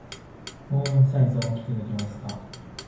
もうワンサイズ大きくできますか？